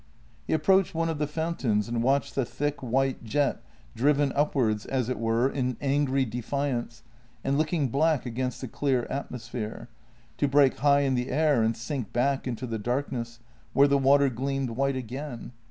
He approached one of the fountains and watched the thick, white jet, driven upwards as it were in angry defiance and looking black against the clear atmosphere, to break high in the air and sink back into the darkness, where the water gleamed white again.